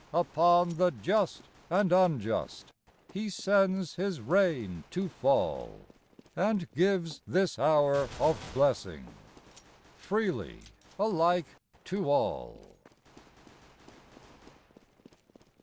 Upon the just and unjust He sends His rain to fall, And gives this hour of blessing Freely alike to all.